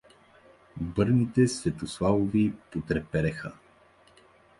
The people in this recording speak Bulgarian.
Бърните Светославови потрепераха.